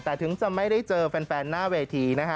แต่ถึงจะไม่ได้เจอแฟนหน้าเวทีนะฮะ